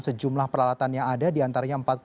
sejumlah peralatan yang ada diantaranya